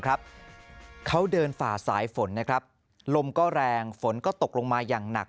เขาเดินฝาบสายฝนลมแรงฝนตกลงมาอย่างหนัก